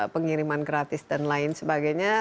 pengiriman gratis dan lain sebagainya